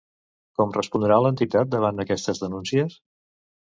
Com respondrà l'entitat davant aquestes denúncies?